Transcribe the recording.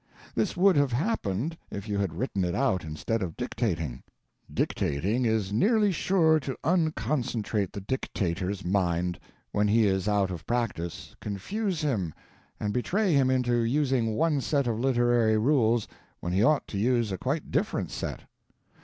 This would have happened if you had written it out instead of dictating. Dictating is nearly sure to unconcentrate the dictator's mind, when he is out of practice, confuse him, and betray him into using one set of literary rules when he ought to use a quite different set.